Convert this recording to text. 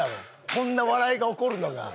こんな笑いが起こるのが。